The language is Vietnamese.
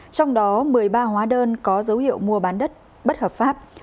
trong đó một mươi ba hóa đơn có dấu hiệu mua bán đất bất hợp pháp